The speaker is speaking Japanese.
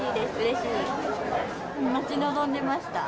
待ち望んでました。